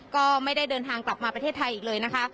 ก็ไม่ได้เดินทางกลับมาประเทศไทยอีกเลยนะคะ